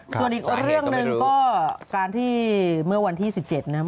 ส่วนอีกเรื่องหนึ่งก็การที่เมื่อวันที่๑๗นะครับ